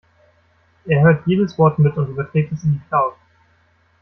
Er hört jedes Wort mit und überträgt es in die Cloud.